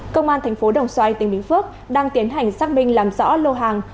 công an thành phố đồng xoài tỉnh bình phước đang tiến hành xác minh làm rõ lô hàng